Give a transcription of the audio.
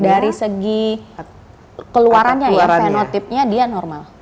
dari segi keluarannya ya fenotipnya dia normal